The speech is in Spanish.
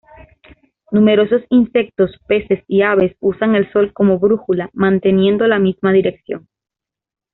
Numerosos insectos, peces y aves usan el sol como brújula manteniendo la misma dirección.